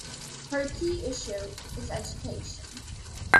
Her key issue is education.